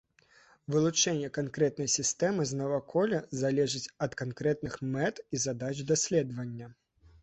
Вылучэнне канкрэтнай сістэмы з наваколля залежыць ад канкрэтных мэт і задач даследавання.